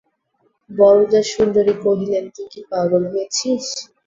বরদাসুন্দরী কহিলেন, তুই কি পাগল হয়েছিস?